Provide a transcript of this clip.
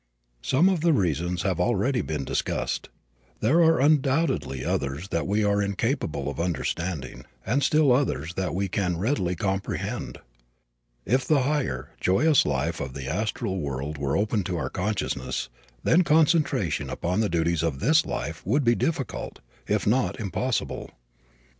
Some of the reasons have already been discussed. There are undoubtedly others that we are incapable of understanding, and still others that we can readily comprehend. If the higher, joyous life of the astral world were open to our consciousness, then concentration upon the duties of this life would be difficult, if not impossible.